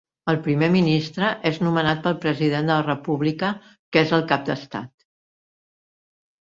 El primer ministre és nomenat pel President de la República, que és el cap d'estat.